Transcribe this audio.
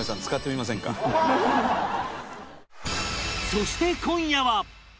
そして今夜は